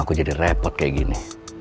aku jadi repot kayak gini